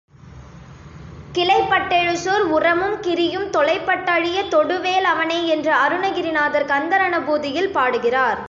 கிளைபட் டெழுசூர் உரமும் கிரியும் தொளைபட் டழியத் தொடுவே லவனே என்று அருணகிரிநாதர் கந்தரநுபூதியில் பாடுகிறார்.